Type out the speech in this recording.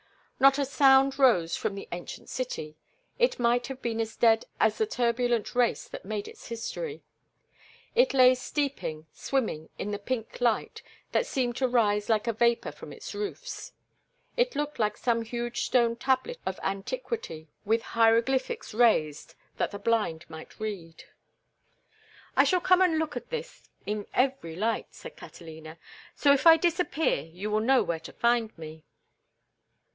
Not a sound rose from the ancient city; it might have been as dead as the turbulent race that made its history. It lay steeping, swimming, in the pink light that seemed to rise like a vapor from its roofs. It looked like some huge stone tablet of antiquity, with hieroglyphics raised that the blind might read. "I shall come and look at this in every light," said Catalina, "so if I disappear you will know where to find me."